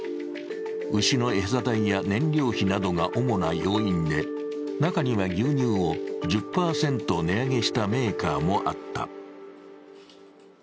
牛の餌代や燃料費などが主な要因で中には牛乳を１０％値上げしたメーカーもあった。